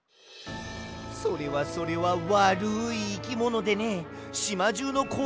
それはそれはわるいいきものでねしまじゅうのこおりをとかすんだよ。